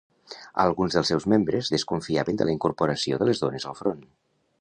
Alguns dels seus membres desconfiaven de la incorporació de les dones al front.